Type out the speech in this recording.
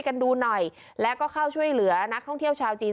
กันดูหน่อยแล้วก็เข้าช่วยเหลือนักท่องเที่ยวชาวจีน